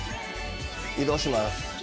移動します。